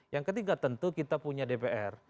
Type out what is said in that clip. yang ketiga tentu kita punya dpr